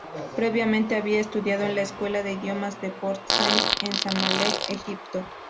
Previamente había estudiado en la escuela de idiomas de Port Said en Zamalek, Egipto.